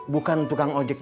bukan tukang ojeknya